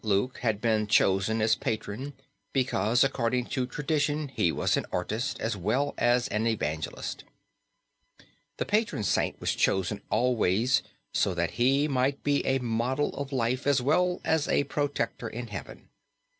Luke had been chosen as patron because according to tradition he was an artist as well as an evangelist. The patron saint was chosen always so that he might be a model of life as well as a protector in Heaven.